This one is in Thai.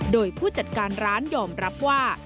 โดยผู้จัดการร้านยอมรับว่า